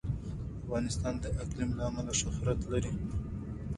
افغانستان د اقلیم له امله شهرت لري.